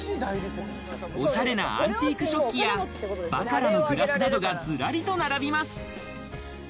おしゃれなアンティーク食器やバカラのクラスなどがずらりと並びます。